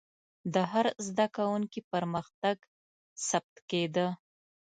د هر زده کوونکي پرمختګ ثبت کېده.